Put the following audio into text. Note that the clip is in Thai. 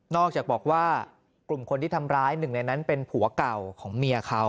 จากบอกว่ากลุ่มคนที่ทำร้ายหนึ่งในนั้นเป็นผัวเก่าของเมียเขา